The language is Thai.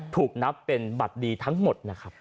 ถูกนับเป็นบัตรดีทั้งหมดนะครับ